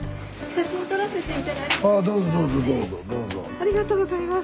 ありがとうございます。